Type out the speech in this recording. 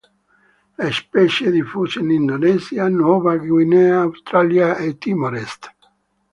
La specie è diffusa in Indonesia, Nuova Guinea, Australia e Timor Est.